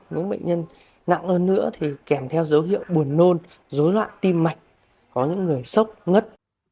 những bệnh nhân nặng hơn nữa thì kèm theo dấu hiệu buồn nôn dối loạn tim mạch có những người sốc ngất